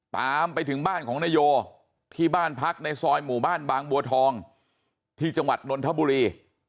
ตามไปถึงบ้านของนายโยที่บ้านพักในซอยหมู่บ้านบางบัวทองที่จังหวัดนนทบุรี